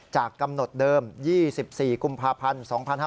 จากกำหนดเดิม๒๔กุมภาพันธ์๒๕๕๙